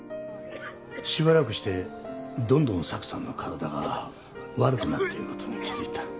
しばらくしてどんどんサクさんの体が悪くなっていることに気付いた。